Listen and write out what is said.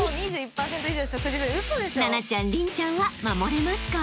［奈々ちゃん麟ちゃんは守れますか？］